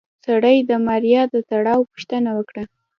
سړي د ماريا د تړاو پوښتنه وکړه.